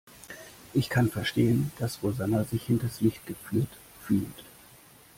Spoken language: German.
Ich kann verstehen, dass Rosanna sich hinters Licht geführt fühlt.